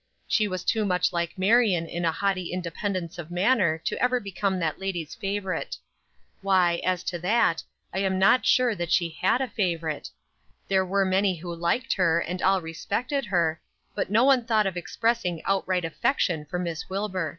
She was too much like Marion in a haughty independence of manner to ever become that lady's favorite. Why, as to that, I am not sure that she had a favorite; there were many who liked her, and all respected her, but no one thought of expressing outright affection for Miss Wilbur.